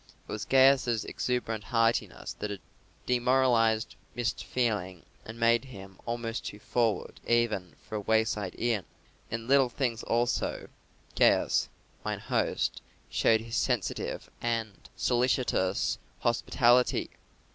It was Gaius's exuberant heartiness that had demoralised Mr. Fearing and made him almost too forward even for a wayside inn. In little things also Gaius, mine host, showed his sensitive and solicitous hospitality.